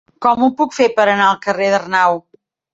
Com ho puc fer per anar al carrer d'Arnau?